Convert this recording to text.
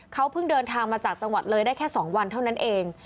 เขาเพิ่งเดินทางมาจากจังหวัดเลยได้แค่๒วันเท่านั้นเอง